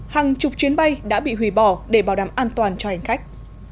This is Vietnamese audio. hàng chục chuyến bay đã bị hủy bỏ để bảo đảm an toàn cho hành khách